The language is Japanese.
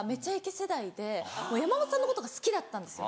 世代で山本さんのことが好きだったんですよ。